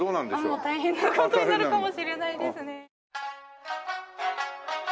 もう大変な事になるかもしれないですね。